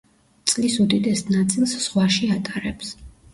წლის უდიდეს ნაწილს ზღვაში ატარებს.